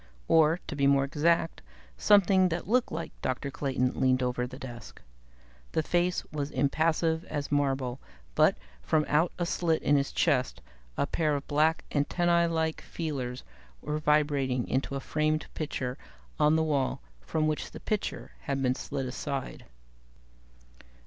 Or, to be more exact, something that looked like Dr. Clayton leaned over the desk. The face was impassive as marble, but, from out a slit in his chest, a pair of black antennae like feelers were vibrating into a framed picture on the wall, from which the picture had been slid aside.